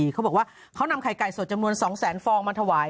เขาบอกว่าเขานำไข่ไก่สดจำนวน๒แสนฟองมาถวาย